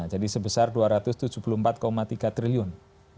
jadi sebesar dua ratus tujuh puluh empat tiga triliun